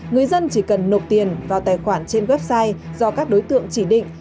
người dân chỉ cần nộp tiền vào tài khoản trên website do các đối tượng chỉ định